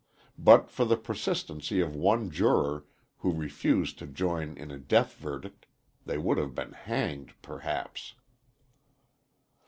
But for the persistency of one juror, who refused to join in a death verdict, they would have been hanged, perhaps.